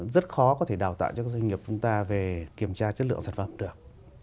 rất khó có thể đào tạo cho các doanh nghiệp chúng ta về kiểm tra chất lượng sản phẩm được